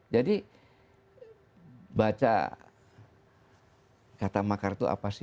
jadi baca kata makar itu apa sih